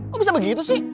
kok bisa begitu sih